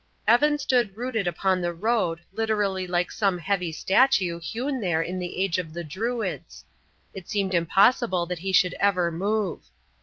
Evan stood rooted upon the road, literally like some heavy statue hewn there in the age of the Druids. It seemed impossible that he should ever move.